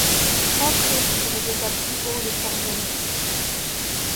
Entrez, répéta plus haut le forgeron.